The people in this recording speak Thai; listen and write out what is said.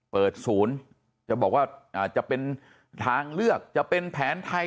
เปิดศูนย์จะบอกว่าจะเป็นทางเลือกจะเป็นแผนไทย